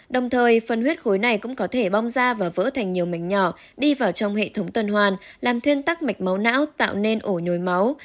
đồng thời phân huyết khối này cũng có thể bong da và vỡ thành nhiều mảnh nhỏ đi vào trong hệ thống tuần hoàn làm thuyên tắc mạch máu não tạo nên ổ nhồi máu